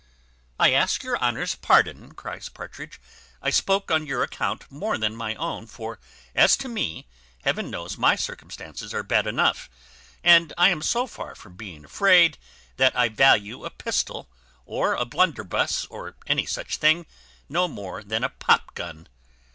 "I ask your honour's pardon," cries Partridge; "I spoke on your account more than my own; for as to me, Heaven knows my circumstances are bad enough, and I am so far from being afraid, that I value a pistol, or a blunderbuss, or any such thing, no more than a pop gun.